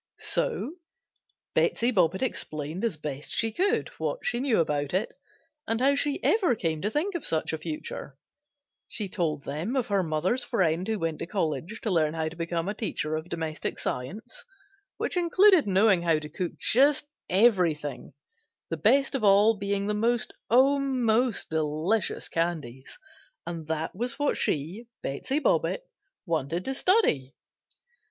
So Betsey Bobbitt explained as best she could, what she knew about it and how she ever came to think of such a future; she told them of her mother's friend who went to college to learn how to become a teacher of "Domestic Science," which included knowing how to cook just everything, the best of all being the most, oh! most delicious candies, and that was what she, Betsey Bobbitt, wanted to study.